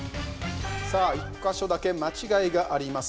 １か所だけ間違いがあります。